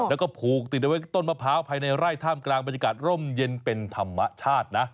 แล้วก็ผูกติดเอาไว้ต้นมะพร้าวภายในไร่ท่ามกลางบรรยากาศร่มเย็นเป็นธรรมชาตินะ